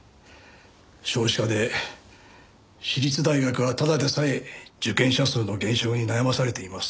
少子化で私立大学はただでさえ受験者数の減少に悩まされています。